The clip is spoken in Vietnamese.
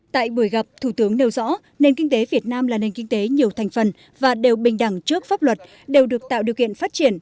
tại buổi gặp thủ tướng nêu rõ nền kinh tế việt nam là nền kinh tế nhiều thành phần và đều bình đẳng trước pháp luật đều được tạo điều kiện phát triển